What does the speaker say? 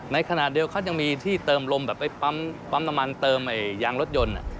ในขณะเดียวกันเขายังมีที่เติมลมแบบไปปั๊มน้ำมันเติมยางรถยนต์